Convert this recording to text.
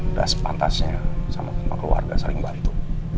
udah sepantasnya sama sama keluarga saling bantu